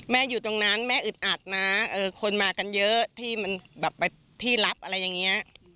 อยู่ตรงนั้นแม่อึดอัดนะคนมากันเยอะที่มันแบบไปที่รับอะไรอย่างนี้